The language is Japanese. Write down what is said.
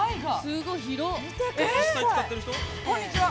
こんにちは。